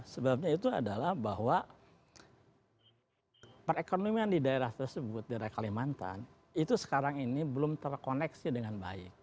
sebabnya itu adalah bahwa perekonomian di daerah tersebut di daerah kalimantan itu sekarang ini belum terkoneksi dengan baik